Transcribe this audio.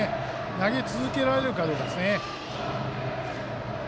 投げ続けられるかどうかですね。